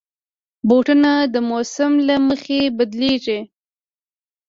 بوټونه د موسم له مخې بدلېږي.